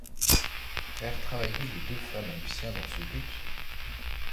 Faire travailler les deux femmes à Lucien dans ce but.